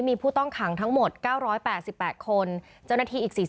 มีผู้ต้องหังทั้งหมด๙๘๘คน